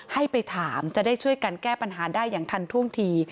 ให้ไปถามจะได้ช่วยกันแก้ปัญหาได้อย่างทันท่วงที